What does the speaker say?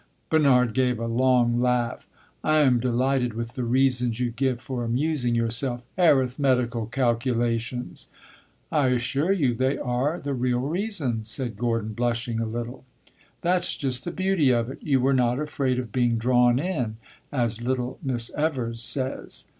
Bernard gave a long laugh. "I am delighted with the reasons you give for amusing yourself! Arithmetical calculations!" "I assure you they are the real reasons!" said Gordon, blushing a little. "That 's just the beauty of it. You were not afraid of being 'drawn in,' as little Miss Evers says?"